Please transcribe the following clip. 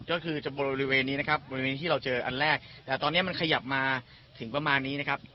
ก็คือจะบริเวณนี้นะครับบริเวณที่เราเจออันแรกแต่ตอนนี้มันขยับมาถึงประมาณนี้นะครับ